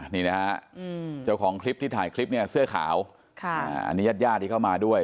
นี่นะฮะเจ้าของคลิปที่ถ่ายคลิปเนี่ยเสื้อขาวอันนี้ญาติญาติที่เข้ามาด้วย